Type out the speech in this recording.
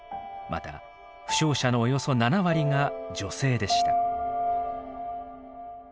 また負傷者のおよそ７割が女性でした。